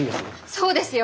そうですよ！